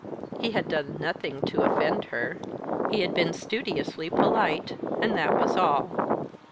He had done nothing to offend her. He had been studiously polite; and that was all.